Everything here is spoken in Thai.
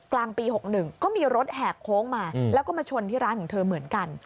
กลางปี๖๑ก็มีรถแหกโค้งมาแล้วก็มาชนที่ร้านของเธอเหมือนกัน